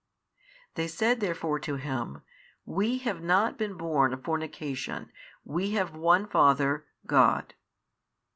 They said therefore to Him, We have not been born of fornication, we have one Father, God.